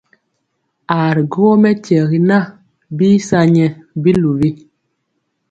Aa ri gwogɔ mɛkyɛri na bii sa nyɛ biluwi.